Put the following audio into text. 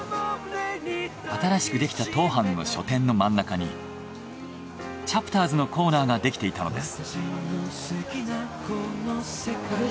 新しくできたトーハンの書店の真ん中にチャプターズのコーナーができていたのです。